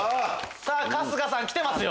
さぁ春日さんきてますよ！